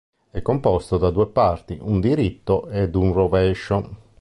È composto da due parti: un diritto ed un rovescio.